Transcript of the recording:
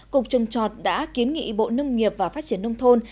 cục trồng trọt đã kiến nghị bộ nông nghiệp và phát triển nông thôn